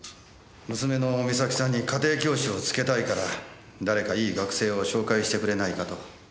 娘の美咲さんに家庭教師をつけたいから誰かいい学生を紹介してくれないかと。